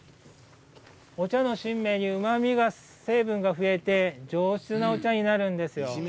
お茶の新芽にうまみ成分がふえて、上質なお茶になるんですよ。